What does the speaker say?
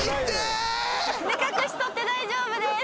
目隠し取って大丈夫です。